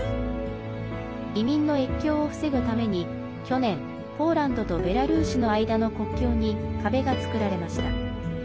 移民の越境を防ぐために去年、ポーランドとベラルーシの間の国境に壁が作られました。